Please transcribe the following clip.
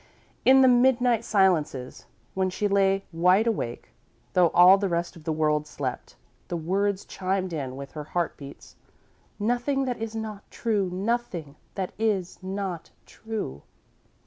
In the midnight silences, when she lay wide awake, though all the rest of the world slept, the words chimed in with her heart beats: "Nothing that is not true nothing that is not true."